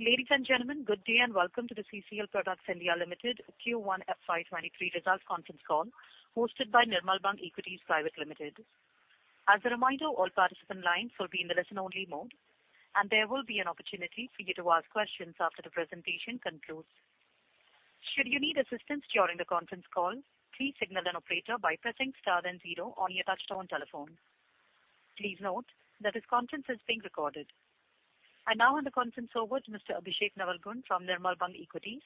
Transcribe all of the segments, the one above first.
Ladies and gentlemen, good day and welcome to the CCL Products (India) Limited Q1 FY 2023 Results Conference Call hosted by Nirmal Bang Equities Private Limited. As a reminder, all participants lines will be in the listen only mode, and there will be an opportunity for you to ask questions after the presentation concludes. Should you need assistance during the conference call, please signal an operator by pressing star then zero on your touchtone telephone. Please note that this conference is being recorded. I now hand the conference over to Mr. Abhishek Navalgund from Nirmal Bang Equities.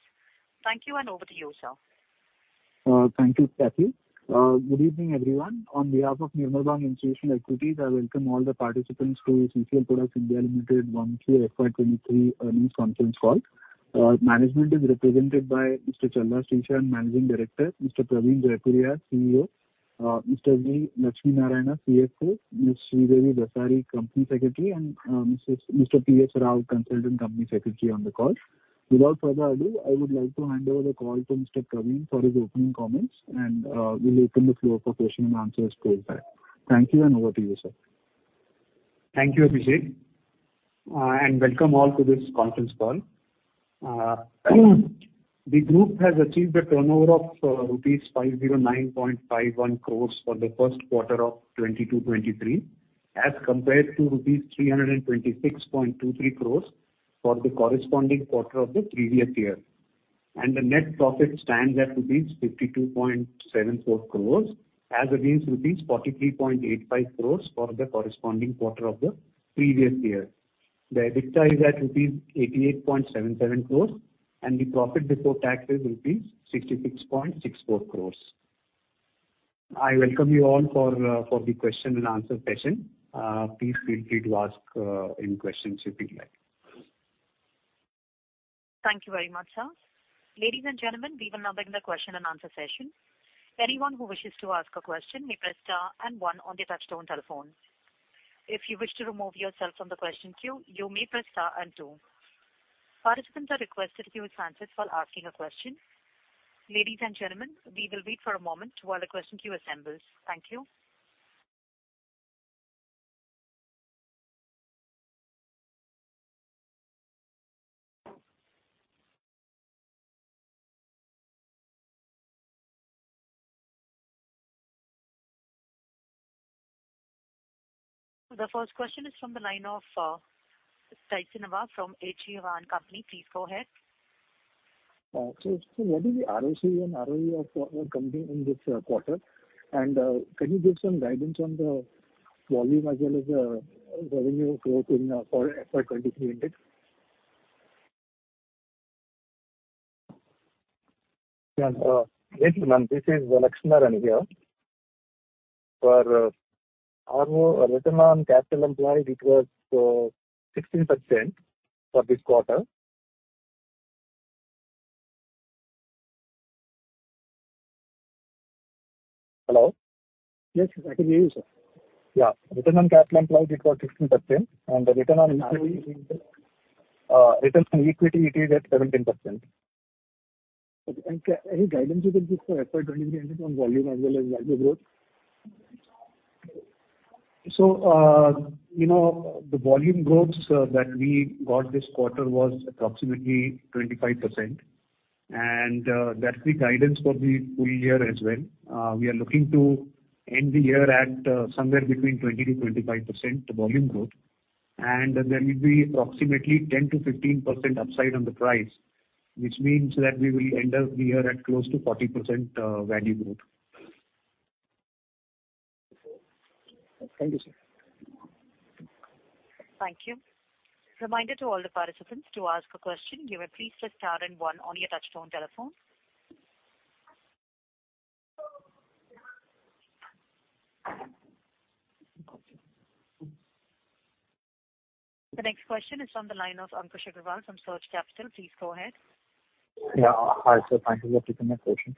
Thank you and over to you, sir. Thank you, Cathy. Good evening, everyone. On behalf of Nirmal Bang Institutional Equities, I welcome all the participants to CCL Products (India) Limited 1Q FY 2023 Earnings Conference Call. Management is represented by Mr. Challa Srishant, Managing Director, Mr. Praveen Jaipuriar, CEO, Mr. V. Lakshmi Narayana, CFO, Ms. Sridevi Dasari, Company Secretary, and Mr. P. S. Rao, Consultant Company Secretary on the call. Without further ado, I would like to hand over the call to Mr. Praveen for his opening comments, and we'll open the floor for question and answers to you, sir. Thank you, and over to you, sir. Thank you, Abhishek, and welcome all to this conference call. The group has achieved a turnover of rupees 509.51 crores for the first quarter of 2022/2023, as compared to rupees 326.23 crores for the corresponding quarter of the previous year. The net profit stands at rupees 52.74 crores as against rupees 43.85 crores for the corresponding quarter of the previous year. The EBITDA is at rupees 88.77 crores, and the profit before tax is rupees 66.64 crores. I welcome you all for the question and answer session. Please feel free to ask any questions you'd like. Thank you very much, sir. Ladies and gentlemen, we will now begin the question and answer session. Anyone who wishes to ask a question may press star and one on their touchtone telephone. If you wish to remove yourself from the question queue, you may press star and two. Participants are requested to mute their lines while asking a question. Ladies and gentlemen, we will wait for a moment while the question queue assembles. Thank you. The first question is from the line of Tejas Shah from Avendus Spark. Please go ahead. What is the ROC and ROE of your company in this quarter? Can you give some guidance on the volume as well as revenue growth for FY 2023 and next? Yeah. Thank you, ma'am. This is V. Lakshmi Narayana here. For ROCE, return on capital employed, it was 16% for this quarter. Hello? Yes, I can hear you, sir. Yeah. Return on capital employed, it was 16%. The return on equity- ROE? Returns on equity, it is at 17%. Okay. Any guidance you can give for FY 2023 and next on volume as well as value growth? You know, the volume growths that we got this quarter was approximately 25%. That's the guidance for the full year as well. We are looking to end the year at somewhere between 20%-25% volume growth. There will be approximately 10%-15% upside on the price, which means that we will end up the year at close to 40% value growth. Thank you, sir. Thank you. Reminder to all the participants, to ask a question, you may please press star and one on your touchtone telephone. The next question is from the line of Ankush Agrawal from Surge Capital. Please go ahead. Yeah. Hi, sir. Thank you for taking my question.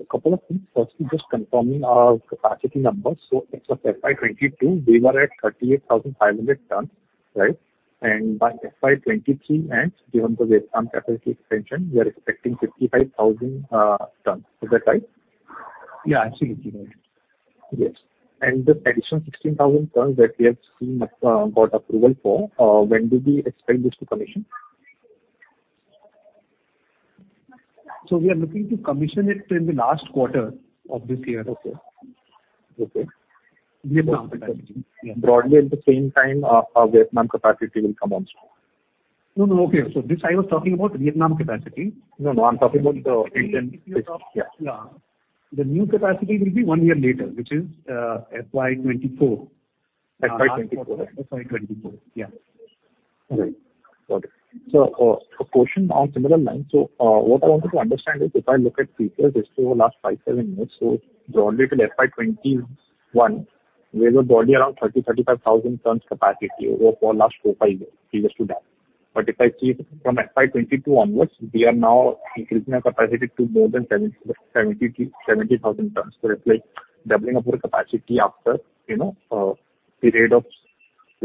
A couple of things. Firstly, just confirming our capacity numbers. As of FY 2022, we were at 38,500 tons, right? By FY 2023 end, given the Vietnam capacity expansion, we are expecting 55,000 tons. Is that right? Yeah. Absolutely right. Yes. The additional 16,000 tons that we have seen got approval for, when do we expect this to commission? We are looking to commission it in the last quarter of this year. Okay. Vietnam capacity. Yeah. Broadly at the same time our Vietnam capacity will come on stream. No, no. Okay. This I was talking about Vietnam capacity. No, no. I'm talking about the. If you're talking. Yeah. Yeah. The new capacity will be one year later, which is FY 2024. FY 2024. FY 2024. Yeah. All right. Got it. A question on similar lines. What I wanted to understand is if I look at previous history over last five to seven years, broadly till FY 2021, we have broadly around 30,000-35,000 tons capacity over for last four to five years previous to that. If I see from FY 2022 onwards, we are now increasing our capacity to more than 70,000 tons. It's like doubling up our capacity after, you know, period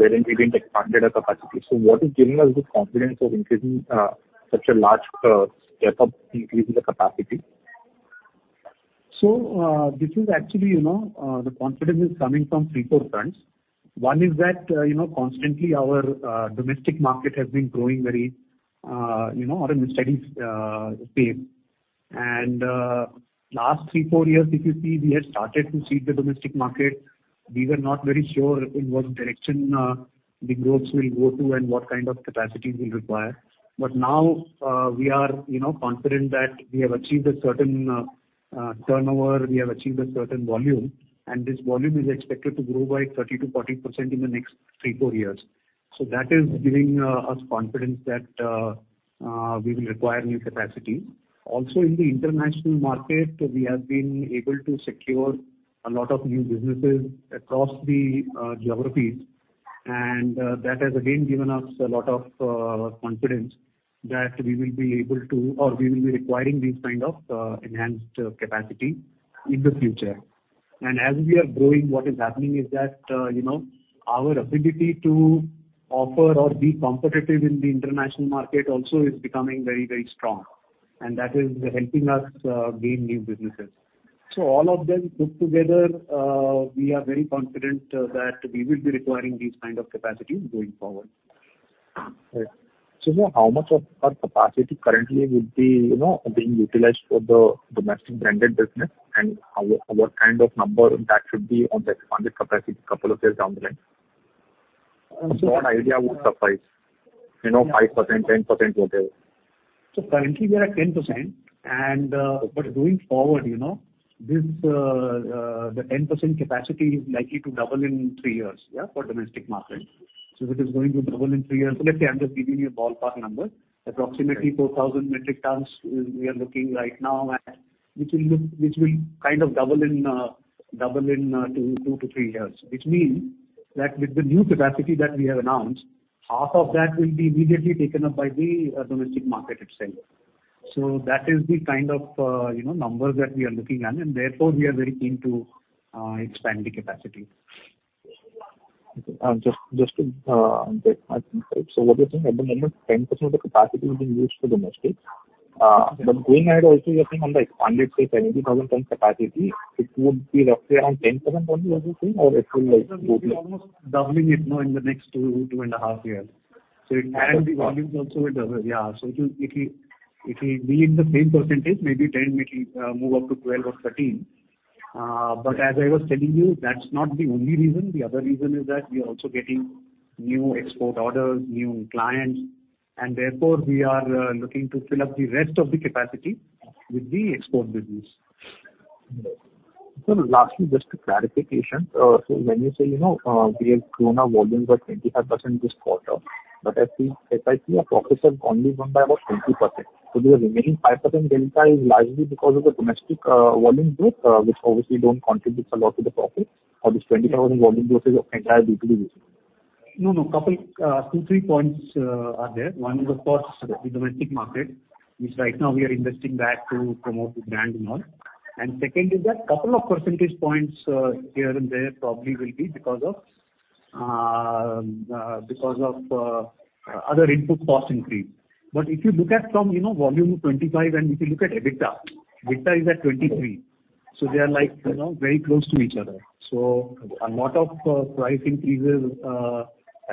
of wherein we didn't expand our capacity. What is giving us the confidence of increasing such a large step of increasing the capacity? This is actually, you know, the confidence is coming from three, four fronts. One is that, you know, constantly our domestic market has been growing very, you know, on a steady pace. Last three, four years if you see, we had started to see the domestic market. We were not very sure in what direction the growth will go to and what kind of capacity we'll require. Now we are, you know, confident that we have achieved a certain turnover, we have achieved a certain volume, and this volume is expected to grow by 30%-40% in the next three, four years. That is giving us confidence that we will require new capacity. Also, in the international market, we have been able to secure a lot of new businesses across the geographies, and that has again given us a lot of confidence that we will be able to or we will be requiring these kind of enhanced capacity in the future. As we are growing, what is happening is that you know, our ability to offer or be competitive in the international market also is becoming very, very strong, and that is helping us gain new businesses. All of them put together, we are very confident that we will be requiring these kind of capacities going forward. Right. How much of our capacity currently would be, you know, being utilized for the domestic branded business? How, what kind of number that should be on the expanded capacity couple of years down the line? A broad idea would suffice. You know, 5%, 10%, whatever. Currently we are at 10%. Going forward, you know, the 10% capacity is likely to double in three years, yeah, for domestic market. It is going to double in three years. Let's say I'm just giving you a ballpark number. Right. Approximately 4,000 metric tons is what we are looking at right now, which will kind of double in two to three years. Which means that with the new capacity that we have announced, half of that will be immediately taken up by the domestic market itself. That is the kind of, you know, numbers that we are looking at, and therefore we are very keen to expand the capacity. Just to get my thoughts. What you're saying at the moment, 10% of the capacity will be used for domestic. Going ahead also you're saying on the expanded say 70,000-ton capacity, it would be roughly around 10% only, are you saying? Or it will like go to We'll be almost doubling it, you know, in the next two and a half years. Okay. Got it. The volumes also will double. Yeah. It will be in the same percentage, maybe 10%, it will move up to 12% or 13%. Okay. As I was telling you, that's not the only reason. The other reason is that we are also getting new export orders, new clients, and therefore we are looking to fill up the rest of the capacity with the export business. Okay. Lastly, just a clarification. When you say, you know, we have grown our volume by 25% this quarter, but as I see our profits have only grown by about 20%. The remaining 5% delta is largely because of the domestic volume growth, which obviously don't contribute a lot to the profit, or this 25% volume growth is entirely due to this? No, no. Couple, two, three points are there. One is of course the domestic market, which right now we are investing that to promote the brand and all. Second is that couple of percentage points here and there probably will be because of other input cost increase. If you look at from volume 25%, and if you look at EBITDA is at 23%. Okay. They are like, you know, very close to each other. A lot of price increases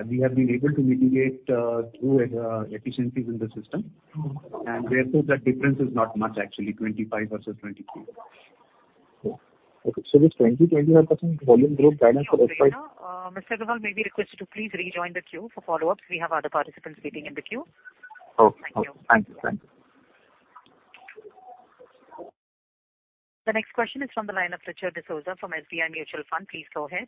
we have been able to mitigate through efficiencies in the system. Mm-hmm. That difference is not much actually, 25% versus 23%. Okay. This 25% volume growth guidance for FY- Mr. Agrawal may be requested to please rejoin the queue for follow-ups. We have other participants waiting in the queue. Oh, okay. Thank you. Thank you. Thank you. The next question is from the line of Richard D'Souza from SBI Mutual Fund. Please go ahead.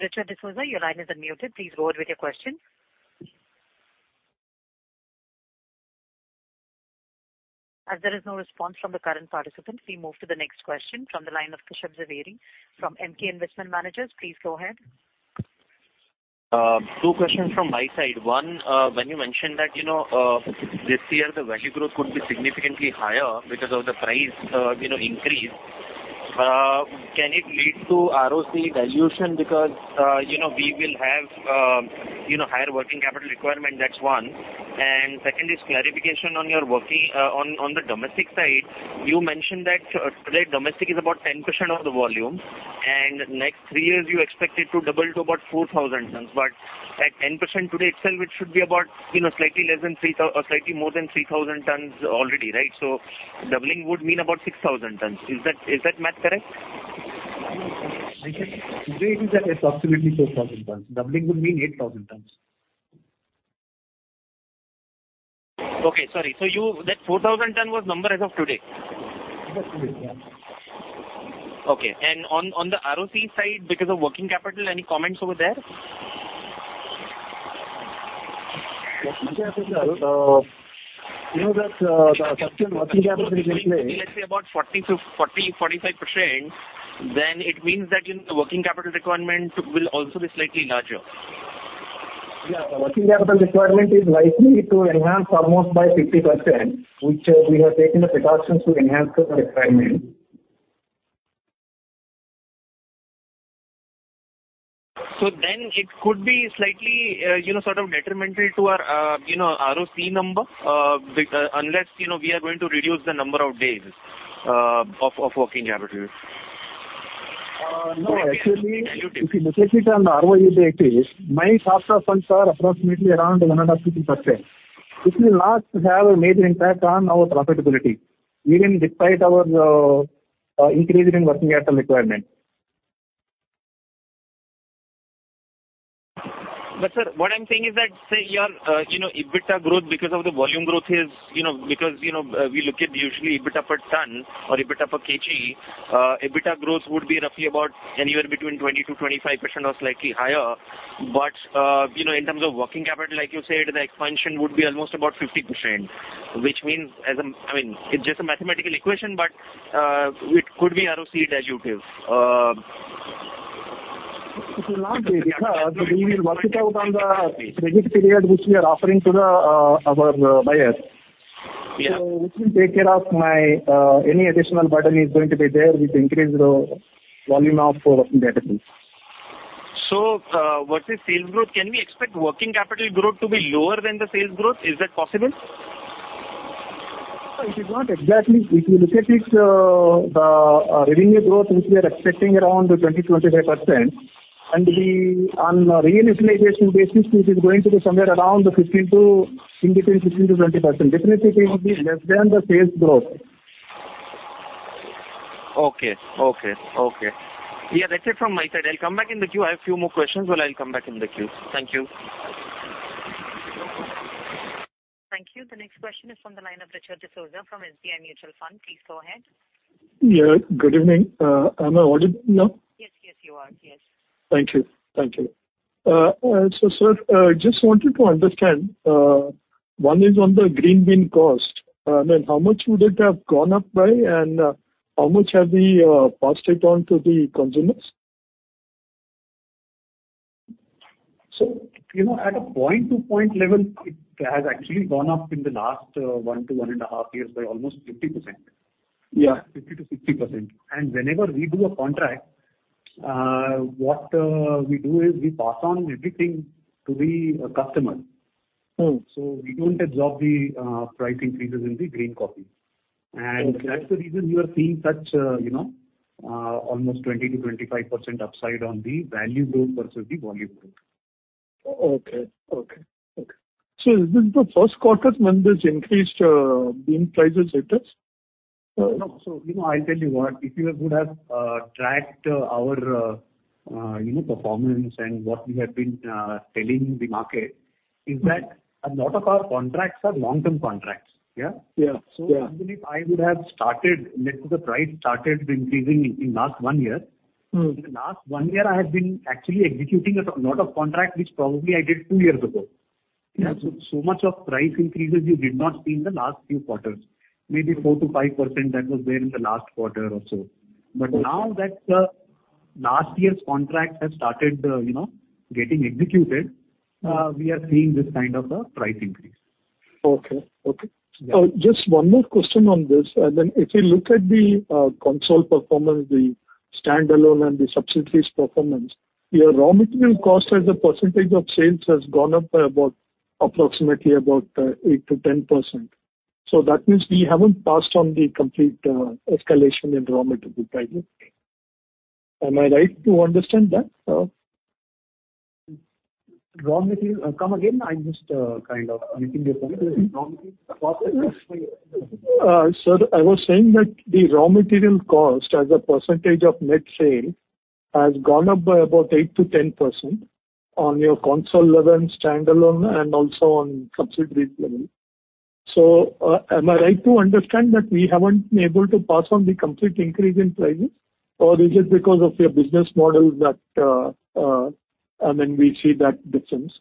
Richard D'Souza, your line is unmuted. Please go ahead with your question. As there is no response from the current participant, we move to the next question from the line of Kashyap Javeri from Emkay Investment Managers. Please go ahead. Two questions from my side. One, when you mentioned that, you know, this year the volume growth could be significantly higher because of the price, you know, increase, can it lead to ROC dilution because, you know, we will have, you know, higher working capital requirement? That's one. Second is clarification on your working. On, on the domestic side, you mentioned that today domestic is about 10% of the volume, and next three years you expect it to double to about 4,000 tons. But at 10% today itself, it should be about, you know, slightly less than 3,000 or slightly more than 3,000 tons already, right? So doubling would mean about 6,000 tons. Is that, is that math correct? I think today it is at approximately 4,000 tons. Doubling would mean 8,000 tons. That 4,000 tons was number as of today? As of today, yeah. Okay. On the ROC side, because of working capital, any comments over there? Look, sir, you know that the working capital is in play. If it will be, let's say, about 40%-45%, then it means that, you know, working capital requirement will also be slightly larger. Yeah. The working capital requirement is likely to enhance almost by 50%, which, we have taken the precautions to enhance the requirement. It could be slightly, you know, sort of detrimental to our, you know, ROC number, unless, you know, we are going to reduce the number of days, of working capital. No, actually, if you look at it on ROI basis, my stocks are approximately around 150%. It will not have a major impact on our profitability, even despite our increase in working capital requirement. Sir, what I'm saying is that, say, your you know, EBITDA growth because of the volume growth is, you know, we look at usually EBITDA per ton or EBITDA per kg. EBITDA growth would be roughly about anywhere between 20%-25% or slightly higher. You know, in terms of working capital, like you said, the expansion would be almost about 50%, which means, I mean, it's just a mathematical equation, but it could be ROC degrading. It will not be because we will work it out on the credit period which we are offering to our buyers. Yeah. Which will take care of my any additional burden is going to be there with increased volume of working capital. versus sales growth, can we expect working capital growth to be lower than the sales growth? Is that possible? It is not exactly. If you look at it, the revenue growth, which we are expecting around 20%-25%, and the on realization basis, which is going to be somewhere around in between 15%-20%, definitely it will be less than the sales growth. Okay. Yeah, that's it from my side. I'll come back in the queue. I have a few more questions. Well, I'll come back in the queue. Thank you. Thank you. The next question is from the line of Richard D'Souza from SBI Mutual Fund. Please go ahead. Yeah, good evening. Am I audible now? Yes. Yes, you are. Yes. Thank you. Sir, just wanted to understand, one is on the green bean cost, then how much would it have gone up by, and how much have we passed it on to the consumers? You know, at a point to point level, it has actually gone up in the last one to one and half years by almost 50%. Yeah. 50%-60%. Whenever we do a contract, what we do is we pass on everything to the customer. Mm-hmm. We don't absorb the price increases in the green coffee. Okay. That's the reason you are seeing such, you know, almost 20%-25% upside on the value growth versus the volume growth. Okay. Is this the first quarter when this increased bean prices hit us? You know, I'll tell you what. If you would have tracked our you know performance and what we have been telling the market is that a lot of our contracts are long-term contracts. Yeah? Yeah. Yeah. Even if I would have started, let's say the price started increasing in last one year. Mm-hmm. In the last one year, I have been actually executing a lot of contract, which probably I did two years ago. Yeah. Much of price increases you did not see in the last few quarters. Maybe 4%-5% that was there in the last quarter or so. Okay. Now that last year's contract has started, you know, getting executed. Mm-hmm. We are seeing this kind of a price increase. Okay. Yeah. Just one more question on this. If you look at the consolidated performance, the standalone and the subsidiaries performance, your raw material cost as a percentage of sales has gone up by approximately 8%-10%. That means we haven't passed on the complete escalation in raw material prices. Am I right to understand that? Raw material. Come again, I missed kind of anything you said. Raw material cost. Sir, I was saying that the raw material cost as a percentage of net sales has gone up by about 8%-10% on your consolidated level and standalone and also on subsidiaries level. Am I right to understand that we haven't been able to pass on the complete increase in prices, or is it because of your business model that, I mean, we see that difference?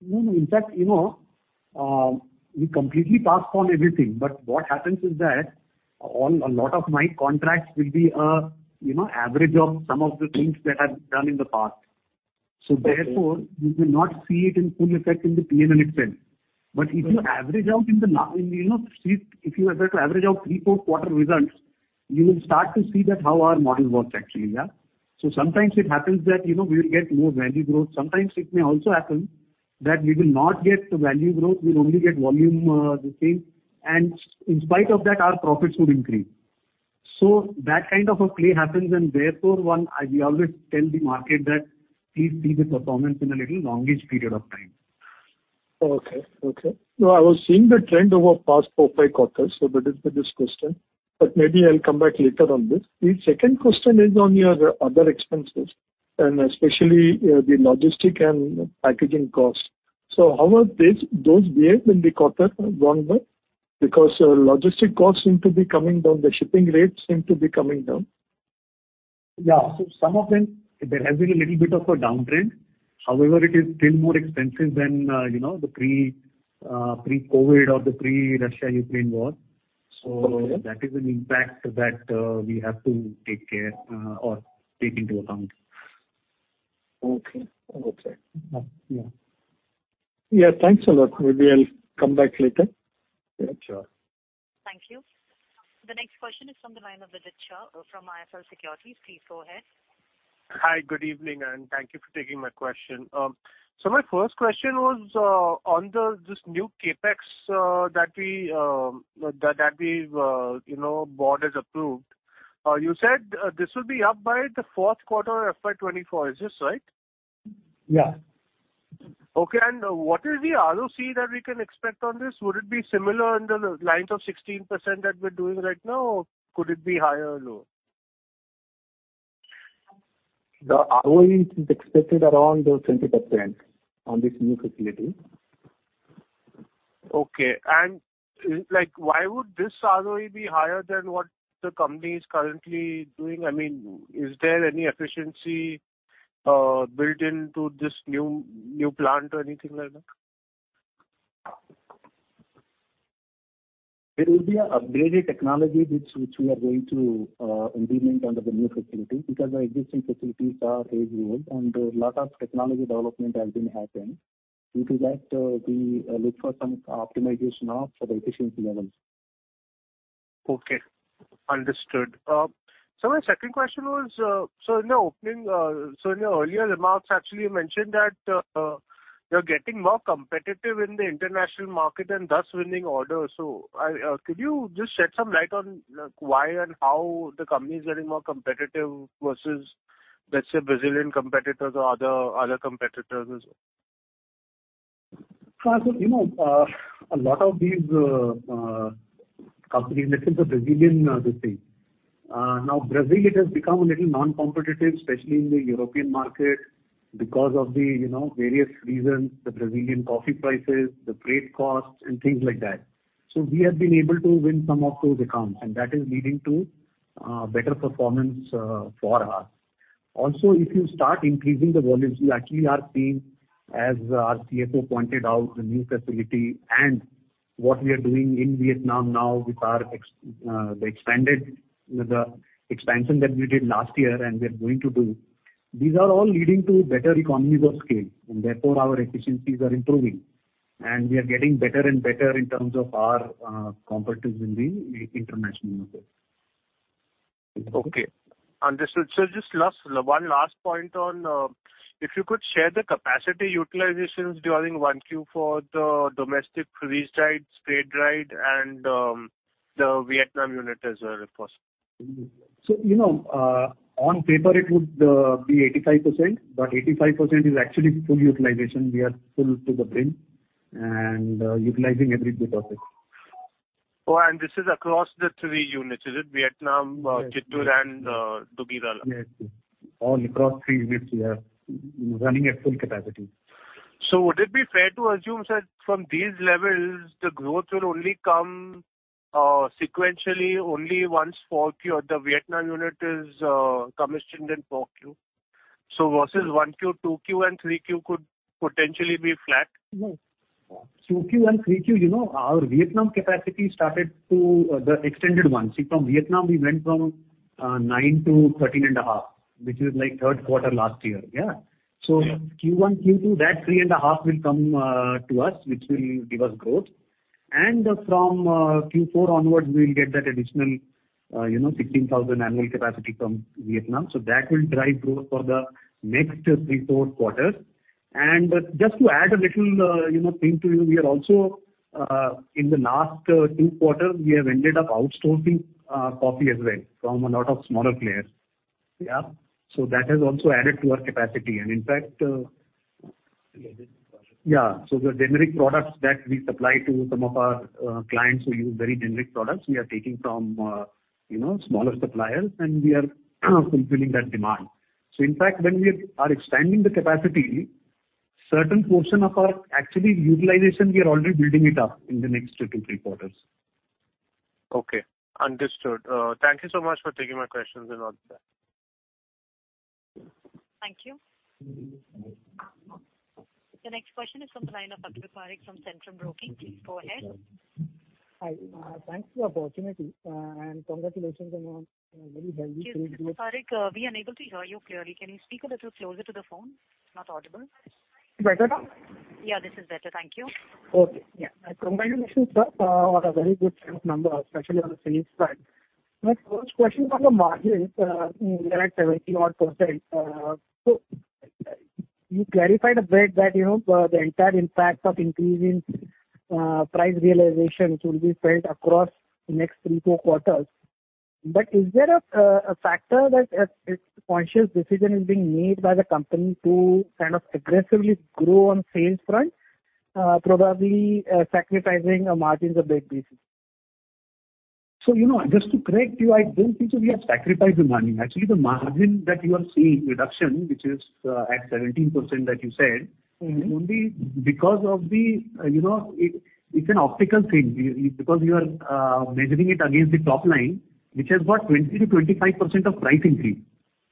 No, no. In fact, you know, we completely pass on everything, but what happens is that a lot of my contracts will be, you know, average of some of the things that I've done in the past. Okay. Therefore, you will not see it in full effect in the P&L itself. Okay. If you average out, you know, see if you were to average out three to four quarter results, you will start to see that how our model works actually, yeah. Sometimes it happens that, you know, we will get more value growth. Sometimes it may also happen that we will not get the value growth, we'll only get volume, this thing, and in spite of that, our profits would increase. That kind of a play happens and therefore, we always tell the market that please see the performance in a little longer period of time. Okay. No, I was seeing the trend over past four, five quarters, so that is the discussion. Maybe I'll come back later on this. The second question is on your other expenses, and especially, the logistics and packaging costs. How are these, those behaved in the quarter gone by? Because logistics costs seem to be coming down, the shipping rates seem to be coming down. Yeah. Some of them, there has been a little bit of a downtrend. However, it is still more expensive than, you know, the pre-COVID or the pre-Russia-Ukraine war. Okay. That is an impact that we have to take care or take into account. Okay. Yeah. Yeah, thanks a lot. Maybe I'll come back later. Yeah, sure. Thank you. The next question is from the line of Vidit Shah from IIFL Securities. Please go ahead. Hi. Good evening, and thank you for taking my question. My first question was on this new CapEx that the board has approved. You said this will be up by the fourth quarter FY 2024. Is this right? Yeah. Okay. What is the ROC that we can expect on this? Would it be similar along the lines of 16% that we're doing right now, or could it be higher or lower? The ROE is expected around those 20% on this new facility. Okay. Like, why would this ROE be higher than what the company is currently doing? I mean, is there any efficiency built into this new plant or anything like that? It will be an upgraded technology which we are going to implement under the new facility because our existing facilities are age-old and a lot of technology development has been happening. Due to that, we look for some optimization of the efficiency levels. Okay. Understood. My second question was, in your earlier remarks, actually you mentioned that you're getting more competitive in the international market and thus winning orders. Could you just shed some light on, like, why and how the company is getting more competitive versus, let's say, Brazilian competitors or other competitors as well? You know, a lot of these companies, let's say the Brazilian this thing. Now Brazil it has become a little non-competitive, especially in the European market because of the, you know, various reasons, the Brazilian coffee prices, the freight costs and things like that. We have been able to win some of those accounts, and that is leading to better performance for us. Also, if you start increasing the volumes, we actually are seeing, as our CFO pointed out, the new facility and what we are doing in Vietnam now with the expansion that we did last year and we are going to do. These are all leading to better economies of scale and therefore our efficiencies are improving and we are getting better and better in terms of our competitiveness in the international market. Okay. Understood. One last point on if you could share the capacity utilizations during 1Q for the domestic freeze-dried, spray-dried and the Vietnam unit as well, if possible. You know, on paper it would be 85%, but 85% is actually full utilization. We are full to the brim and utilizing every bit of it. Oh, this is across the three units, is it Vietnam, Chittoor and Duggirala? Yes. All across three units, we are running at full capacity. Would it be fair to assume that from these levels the growth will only come, sequentially only once 4Q or the Vietnam unit is commissioned in 4Q? Versus 1Q, 2Q and 3Q could potentially be flat. Q2 and Q3, you know, our Vietnam capacity started to the extended one. See, from Vietnam we went from 9% to 13.5%, which is like third quarter last year. Yeah. Yeah. Q1, Q2, that 3.5% will come to us, which will give us growth. From Q4 onwards, we'll get that additional you know 16,000 annual capacity from Vietnam. That will drive growth for the next three, four quarters. Just to add a little you know thing to you, we are also in the last two quarters we have ended up outsourcing coffee as well from a lot of smaller players. Yeah. That has also added to our capacity. In fact, yeah, so the generic products that we supply to some of our clients who use very generic products, we are taking from you know smaller suppliers, and we are fulfilling that demand. In fact, when we are expanding the capacity, certain portion of our actual utilization, we are already building it up in the next two, three quarters. Okay. Understood. Thank you so much for taking my questions and all of that. Thank you. The next question is from the line of Atul Parakh from Centrum Broking. Please go ahead. Hi. Thanks for the opportunity, and congratulations on a very healthy Excuse me, Mr. Parakh. We're unable to hear you clearly. Can you speak a little closer to the phone? It's not audible. Better now? Yeah, this is better. Thank you. Okay. Yeah. Congratulations on a very good set of numbers, especially on the sales side. My first question is on the margins, they're at 70%-odd. So you clarified a bit that, you know, the entire impact of increase in price realization which will be felt across the next three to four quarters. Is there a factor that a conscious decision is being made by the company to kind of aggressively grow on sales front, probably, sacrificing margins a bit this year? You know, just to correct you, I don't think we have sacrificed the margin. Actually, the margin that you are seeing reduction, which is, at 17% that you said- Mm-hmm. Only because of the, you know. It's an optical thing because you are measuring it against the top line, which has got 20%-25% price increase.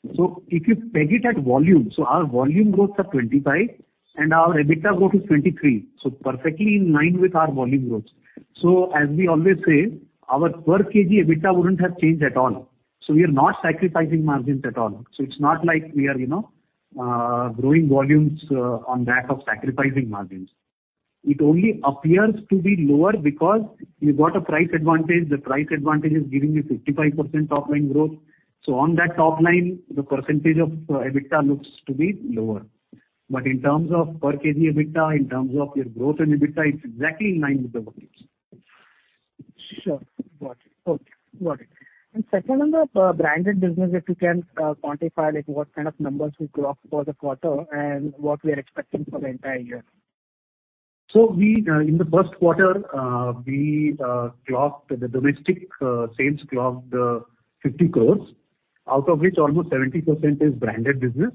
If you peg it at volume, our volume growth are 25% and our EBITDA growth is 23%, perfectly in line with our volume growth. As we always say, our per kg EBITDA wouldn't have changed at all. We are not sacrificing margins at all. It's not like we are, you know, growing volumes at the cost of sacrificing margins. It only appears to be lower because you've got a price advantage. The price advantage is giving you 55% top line growth. On that top line, the percentage of EBITDA looks to be lower. In terms of per kg EBITDA, in terms of your growth in EBITDA, it's exactly in line with the volumes. Sure. Got it. Okay. Got it. Second on the branded business, if you can quantify, like, what kind of numbers you clocked for the quarter and what we are expecting for the entire year. We in the first quarter clocked domestic sales 50 crore, out of which almost 70% is branded business.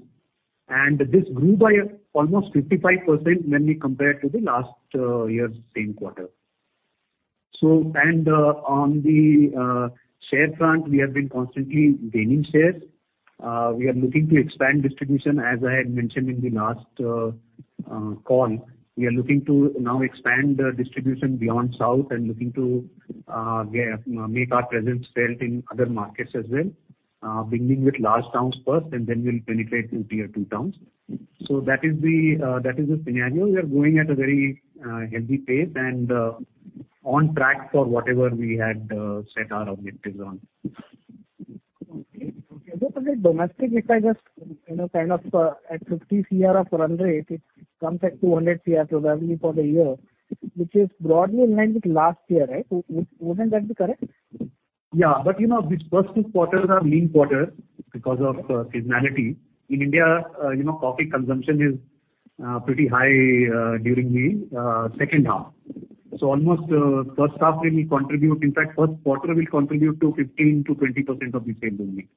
This grew by almost 55% when we compare to the last year's same quarter. On the share front, we have been constantly gaining shares. We are looking to expand distribution, as I had mentioned in the last call. We are looking to now expand the distribution beyond south and looking to make our presence felt in other markets as well, beginning with large towns first, and then we'll penetrate into tier two towns. That is the scenario. We are growing at a very healthy pace and on track for whatever we had set our objectives on. Okay. Just on the domestic, if I just, you know, kind of, at 50 Cr run rate, it comes at 200 crore probably for the year, which is broadly in line with last year, right? Wouldn't that be correct? Yeah. You know, these first two quarters are lean quarters because of seasonality. In India, you know, coffee consumption is pretty high during the second half. Almost first half will contribute. In fact, first quarter will contribute to 15%-20% of the sales only.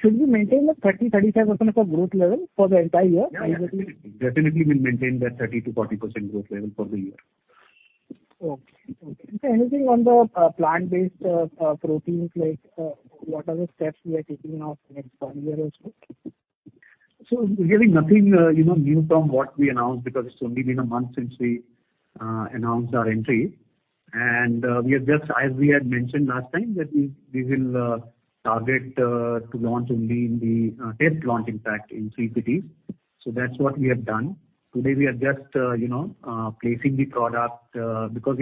Should we maintain a 30%-35% growth level for the entire year? Yeah, definitely. Definitely we'll maintain that 30%-40% growth level for the year. Okay. Sir, anything on the plant-based proteins, like, what are the steps we are taking now for next one year or so? Really nothing new from what we announced because it's only been a month since we announced our entry. We are just, as we had mentioned last time, that we will target to launch only in the test launch in fact in three cities. That's what we have done. Today we are just placing the product. Because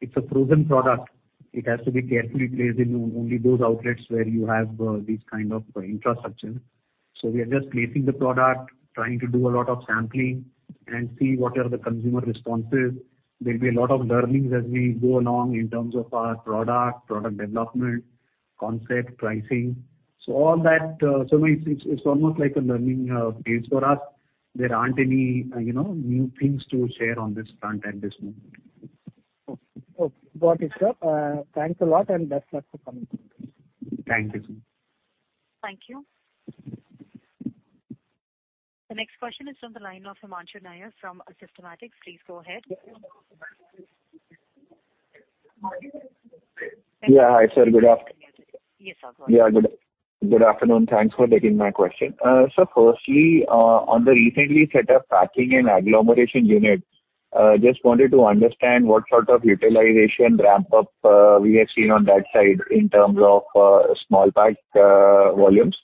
it's a frozen product, it has to be carefully placed in only those outlets where you have these kind of infrastructure. We are just placing the product, trying to do a lot of sampling and see what are the consumer responses. There'll be a lot of learnings as we go along in terms of our product development, concept, pricing. All that. I mean, it's almost like a learning phase for us. There aren't any, you know, new things to share on this front at this moment. Okay. Got it, sir. Thanks a lot, and best luck for coming quarters. Thank you. Thank you. The next question is from the line of Himanshu Nayyar from Systematix. Please go ahead. Yeah. Hi, sir. Good after- Yes, I'll go ahead. Good afternoon. Thanks for taking my question. Sir, firstly, on the recently set up packing and agglomeration unit, just wanted to understand what sort of utilization ramp up we have seen on that side in terms of small pack volumes.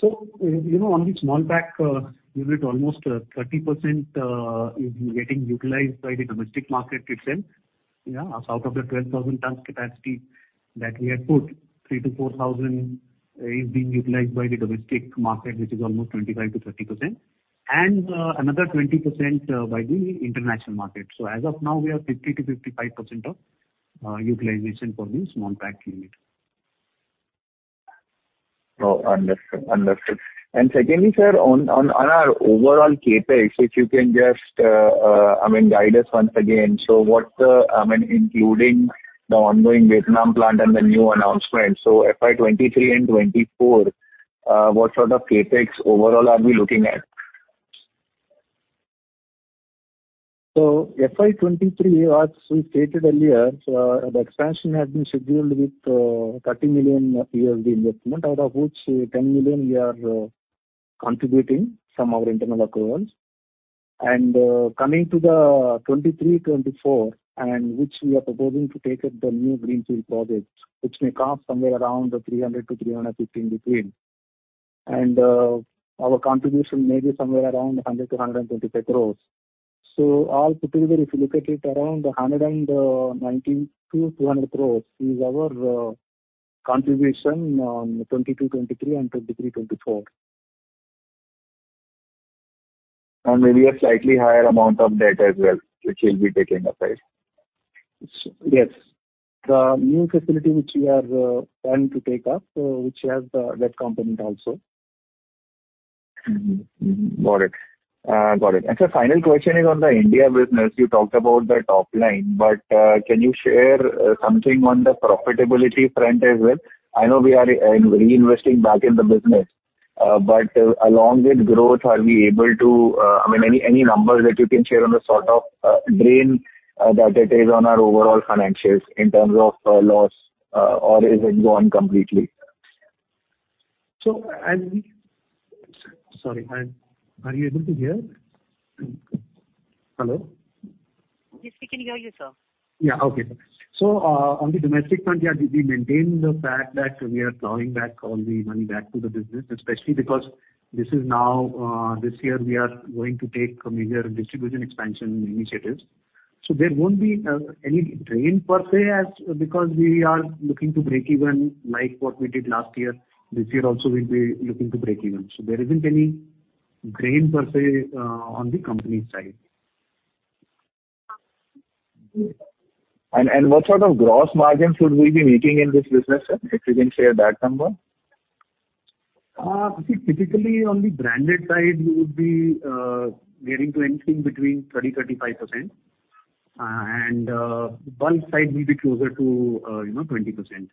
You know, on the small pack unit almost 30% is getting utilized by the domestic market itself. Out of the 12,000 tons capacity that we had put, 3,000-4,000 is being utilized by the domestic market, which is almost 25%-30%, and another 20% by the international market. As of now we have 50%-55% of utilization for the small pack unit. Understood. Secondly, sir, on our overall CapEx, if you can just, I mean, guide us once again. What's the, I mean, including the ongoing Vietnam plant and the new announcement. FY 2023 and 2024, what sort of CapEx overall are we looking at? FY 2023, as we stated earlier, the expansion has been scheduled with $30 million investment, out of which $10 million we are contributing from our internal accruals. Coming to the 2023/2024, which we are proposing to take up the new greenfield project, which may cost somewhere around 300-315 crores. Our contribution may be somewhere around 100-125 crores. All put together, if you look at it, around 190-200 crores is our contribution on 2022/2023 and 2023/2024. Maybe a slightly higher amount of debt as well, which you'll be taking up, right? Yes. The new facility which we are planning to take up, which has the debt component also. Got it. Sir, final question is on the India business. You talked about the top line, but can you share something on the profitability front as well? I know we are reinvesting back in the business, but along with growth, are we able to, I mean, any numbers that you can share on the sort of drain that it is on our overall financials in terms of loss, or is it gone completely? Sorry, are you able to hear? Hello? Yes, we can hear you, sir. On the domestic front, yeah, we maintain the fact that we are plowing back all the money back to the business, especially because this is now this year we are going to take major distribution expansion initiatives. There won't be any drain per se as because we are looking to break even, like what we did last year. This year also we'll be looking to break even. There isn't any drain per se on the company side. What sort of gross margin should we be making in this business, sir? If you can share that number. See, typically on the branded side, we would be nearing to anything between 30%-35%. Bulk side will be closer to, you know, 20%.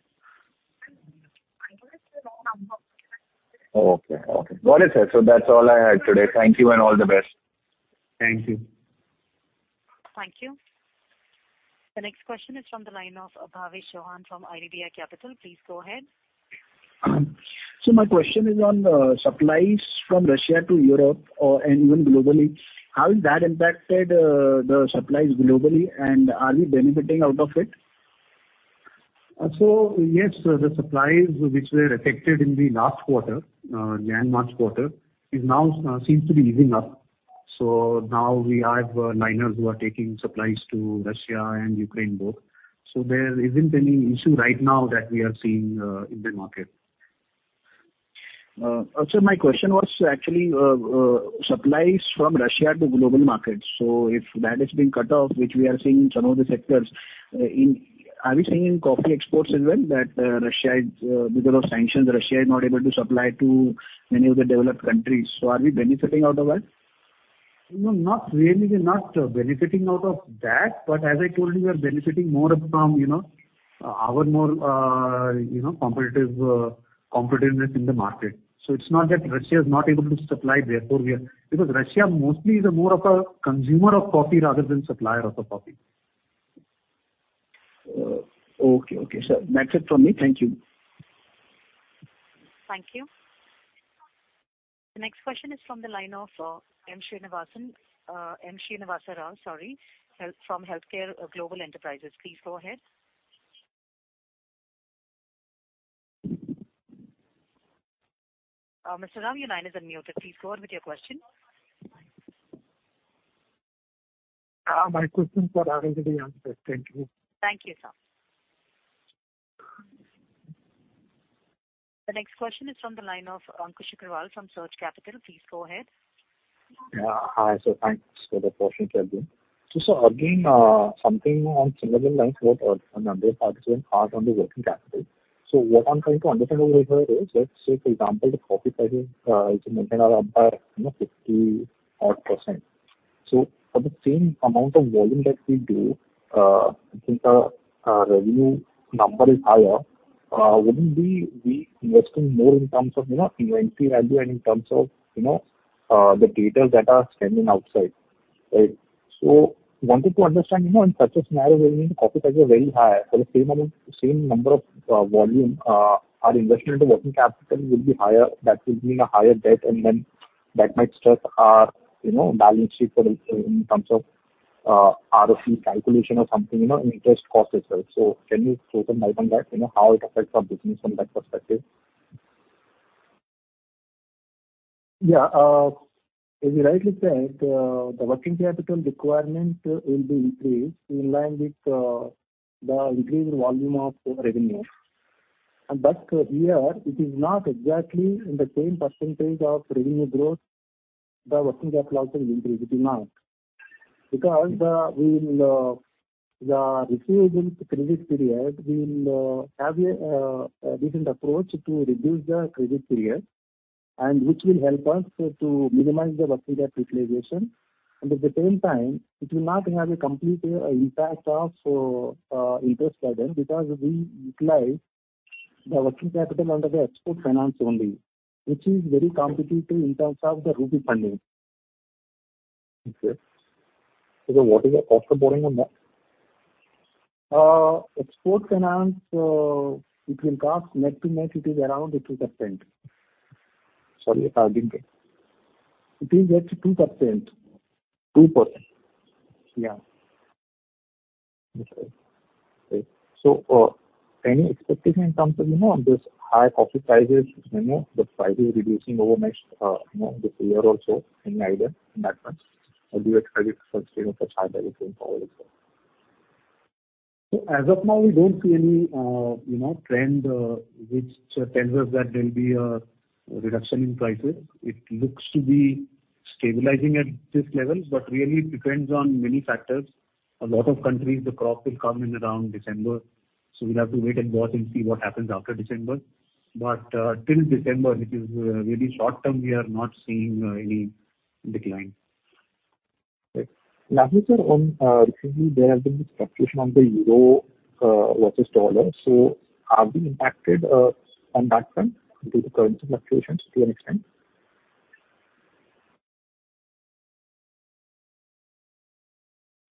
Okay. Got it, sir. That's all I had today. Thank you and all the best. Thank you. Thank you. The next question is from the line of Bhavesh Chauhan from IDBI Capital. Please go ahead. My question is on supplies from Russia to Europe or and even globally. How has that impacted the supplies globally and are we benefiting out of it? Yes, the supplies which were affected in the last quarter, January and March quarter, is now seems to be easing up. Now we have liners who are taking supplies to Russia and Ukraine both. There isn't any issue right now that we are seeing in the market. Sir, my question was actually supplies from Russia to global markets. If that is being cut off, which we are seeing in some of the sectors, are we seeing in coffee exports as well that Russia, because of sanctions, is not able to supply to many of the developed countries, so are we benefiting out of that? No, not really. We're not benefiting out of that. As I told you, we are benefiting more from, you know, our more, you know, competitive, competitiveness in the market. It's not that Russia is not able to supply, therefore we are. Because Russia mostly is a more of a consumer of coffee rather than supplier of the coffee. Okay. Sir, that's it from me. Thank you. Thank you. The next question is from the line of M. Srinivasa Rao from Healthcare Global Enterprises. Please go ahead. Mr. Rao, your line is unmuted. Please go on with your question. My question got already been answered. Thank you. Thank you, sir. The next question is from the line of Ankush Agrawal from Surge Capital. Please go ahead. Hi, sir, thanks for the opportunity again. Sir, again, something on similar lines what Atul was asking on the working capital. What I'm trying to understand over here is, let's say for example, the coffee prices is maintained up by, you know, 50% odd. For the same amount of volume that we do, I think our revenue number is higher. Wouldn't we be investing more in terms of, you know, inventory value and in terms of, you know, the debtors that are standing outside. Right? Wanted to understand, you know, in such a scenario where, you know, coffee prices are very high for the same amount, same number of volume, our investment into working capital will be higher. That will mean a higher debt, and then that might stress our, you know, balance sheet for the, in terms of, ROC calculation or something, you know, interest cost as well. Can you throw some light on that? You know, how it affects our business from that perspective. Yeah. As you rightly said, the working capital requirement will be increased in line with the increase in volume of revenue. Here it is not exactly in the same percentage of revenue growth, the working capital also will increase. It will not. Because we will have a different approach to reduce the credit period and which will help us to minimize the working capital utilization. At the same time, it will not have a complete impact of interest burden because we utilize the working capital under the export finance only, which is very competitive in terms of the rupee funding. Okay. What is the cost of borrowing on that? Export finance, it will cost net to net. It is around 2%. Sorry, I didn't get. It is at 2%. 2%? Yeah. Any expectation in terms of, you know, on this high coffee prices, you know, the prices reducing over next, you know, this year also any idea in that front? Or do you expect it to sustain such high levels going forward as well? As of now, we don't see any, you know, trend, which tells us that there'll be a reduction in prices. It looks to be stabilizing at this level, but really it depends on many factors. A lot of countries, the crop will come in around December, so we'll have to wait and watch and see what happens after December. Till December, which is, really short term, we are not seeing, any decline. Right. Lastly, sir, on recently there has been this fluctuation on the euro versus dollar. Are we impacted on that front due to currency fluctuations to an extent?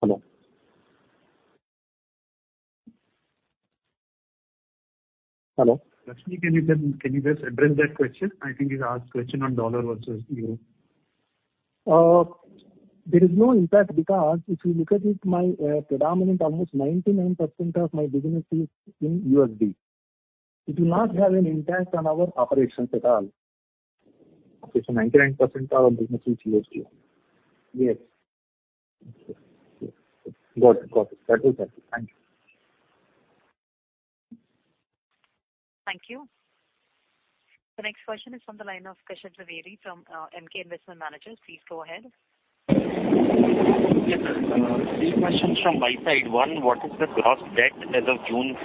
Hello? Hello? Lakshmi, can you just address that question? I think he's asked question on dollar versus euro. There is no impact because if you look at it, my predominant almost 99% of my business is in US dollar. It will not have an impact on our operations at all. Okay. 99% of our business is US dollar. Yes. Okay. Got it, got it. That is helpful. Thank you. Thank you. The next question is from the line of Kashyap Javeri from Emkay Investment Managers. Please go ahead. Yes, sir. Three questions from my side. One, what is the gross debt as of June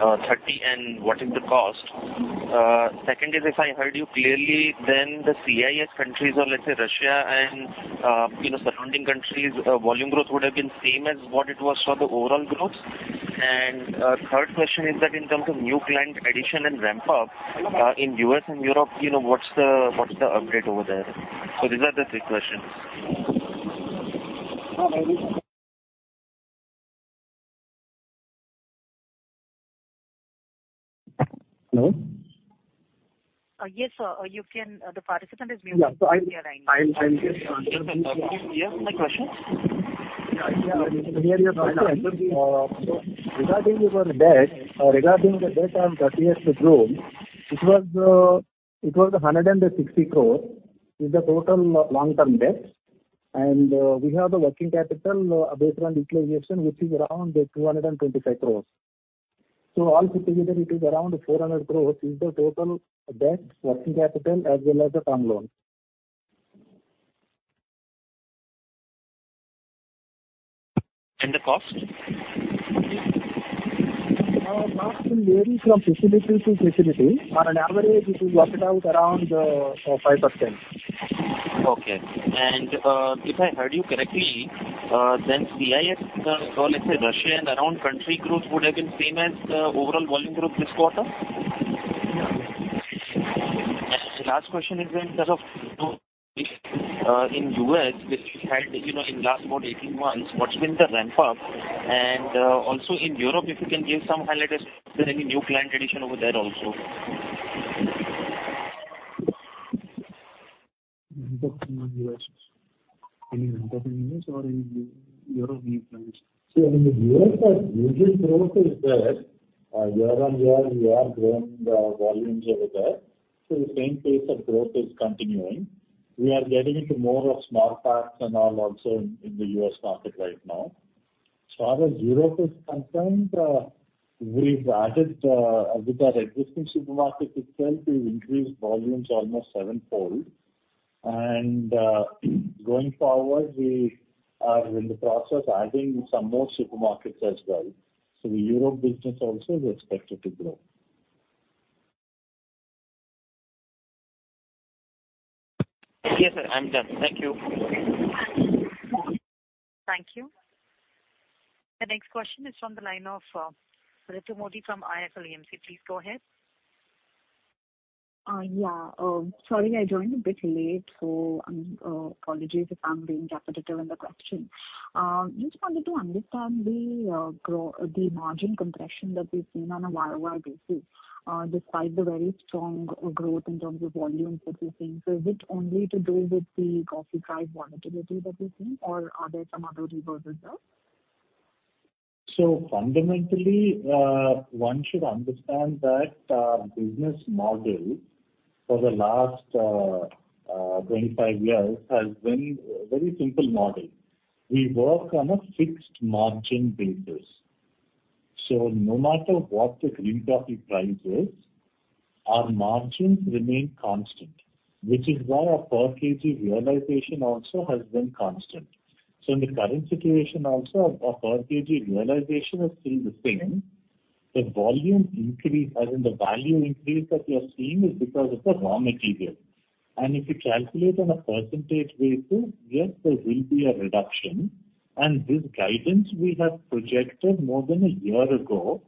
30, and what is the cost? Second is, if I heard you clearly, then the CIS countries or let's say Russia and, you know, surrounding countries, volume growth would have been same as what it was for the overall growth. Third question is that in terms of new client addition and ramp up, in U.S. and Europe, you know, what's the update over there? These are the three questions. Hold on. Hello? The participant is muted. Yeah. I'm here. Can you hear my questions? Yeah, yeah. We can hear you, sir. Regarding the debt on 30th of June, it was 160 crore is the total long-term debt. We have the working capital based on utilization, which is around 225 crore. All put together it is around 400 crore is the total debt, working capital as well as the term loan. The cost? Cost will vary from facility to facility. On average it is worked out around 5%. Okay. If I heard you correctly, then CIS or let's say Russia and around country growth would have been same as the overall volume growth this quarter? Yeah. The last question is in terms of, you know, in U.S., which we had, you know, in last about 18 months, what's been the ramp up? Also in Europe, if you can give some highlight as if there's any new client addition over there also. Any ramp up in U.S. or in Europe, new clients. In Europe, our usual growth is there. Year-on-year we are growing the volumes over there. The same pace of growth is continuing. We are getting into more of small packs and all also in the U.S. market right now. As far as Europe is concerned, we've added, with our existing supermarket itself, we've increased volumes almost sevenfold. Going forward, we are in the process adding some more supermarkets as well. The Europe business also is expected to grow. Yes, sir. I'm done. Thank you. Thank you. The next question is from the line of, Ritu Modi from IIFL AMC. Please go ahead. Sorry, I joined a bit late, so apologies if I'm being repetitive in the question. Just wanted to understand the margin compression that we've seen on a YoY basis, despite the very strong growth in terms of volumes that we're seeing. Is it only to do with the coffee price volatility that we're seeing or are there some other reasons as well? Fundamentally, one should understand that our business model for the last 25 years has been a very simple model. We work on a fixed margin basis. No matter what the green coffee price is, our margins remain constant, which is why our per kg realization also has been constant. In the current situation also our per kg realization is still the same. The volume increase, as in the value increase that we are seeing is because of the raw material. If you calculate on a percentage basis, yes, there will be a reduction. This guidance we have projected more than a year ago.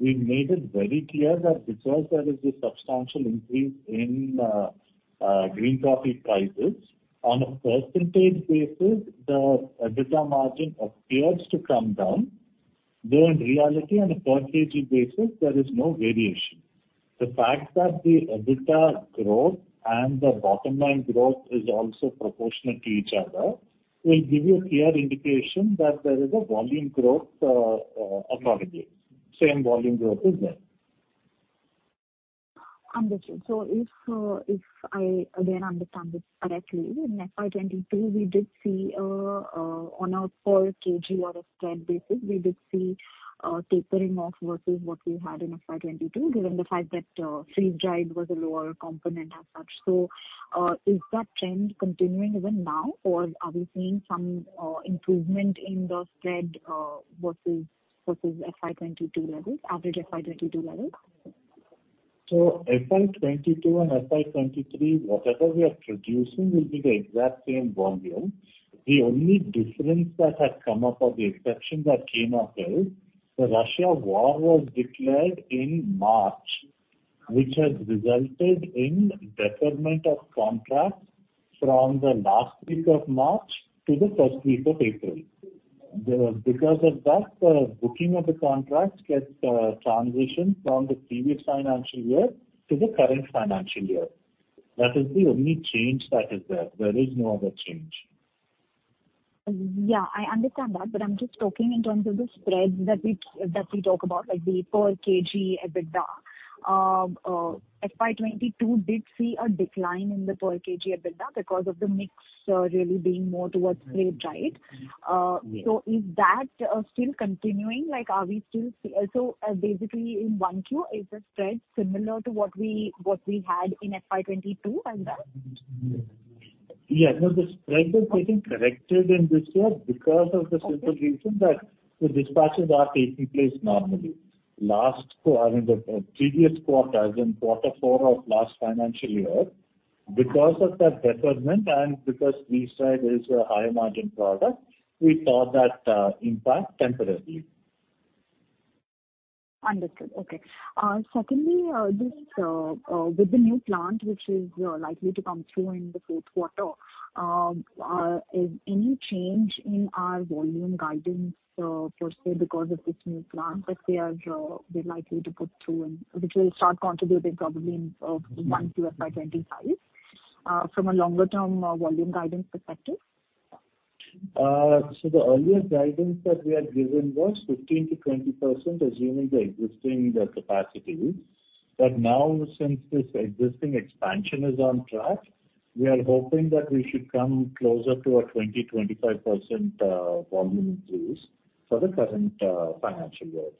We made it very clear that because there is a substantial increase in green coffee prices, on a percentage basis the EBITDA margin appears to come down. Though in reality on a per kg basis there is no variation. The fact that the EBITDA growth and the bottom line growth is also proportional to each other will give you a clear indication that there is a volume growth, acknowledged. Same volume growth is there. Understood. If I again understand this correctly, in FY 2022 we did see on our per kg or a spread basis, we did see tapering off versus what we had in FY 2022, given the fact that freeze-dried was a lower component as such. Is that trend continuing even now or are we seeing some improvement in the spread versus FY 2022 levels, average FY 2022 levels? FY 2022 and FY 2023, whatever we are producing will be the exact same volume. The only difference that has come up or the exception that came up is the Russia war was declared in March, which has resulted in deferment of contracts from the last week of March to the first week of April. Because of that, the booking of the contracts gets transitioned from the previous financial year to the current financial year. That is the only change that is there. There is no other change. Yeah, I understand that, but I'm just talking in terms of the spreads that we talk about, like the per kg EBITDA. FY 2022 did see a decline in the per kg EBITDA because of the mix, really being more towards spray-dried. Yes. Is that still continuing? Basically in 1Q, is the spread similar to what we had in FY 2022 as well? Yeah, no, the spread was getting corrected in this year because of the simple reason that the dispatches are taking place normally. Last quarter, I mean the previous quarter, as in quarter four of last financial year, because of that deferment and because freeze-dried is a higher margin product, we saw that impact temporarily. Understood. Okay. Secondly, this with the new plant, which is likely to come through in the fourth quarter, is any change in our volume guidance, per se, because of this new plant that we are likely to put through and which will start contributing probably in 1Q of FY 2025, from a longer-term volume guidance perspective? The earlier guidance that we had given was 15%-20% assuming the existing capacities. Now, since this existing expansion is on track, we are hoping that we should come closer to a 20%-25% volume increase for the current financial year.